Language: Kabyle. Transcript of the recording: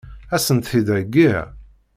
Ad sent-t-id-heggiɣ?